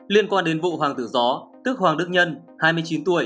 liên quan đến vụ hoàng tử gió tức hoàng đức nhân